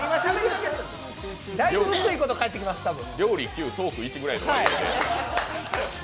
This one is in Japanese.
だいぶ、薄いこと返ってきます、今。